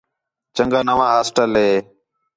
چَنڳا نواں ہاسٹل ہے